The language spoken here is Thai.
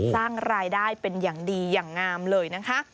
สร้างรายได้เป็นอย่างดีอย่างงามเลยนะคะ